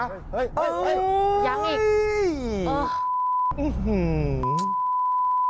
เฮ้ยยังอีก